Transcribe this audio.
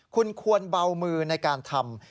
คุณควรเบามือในการทำ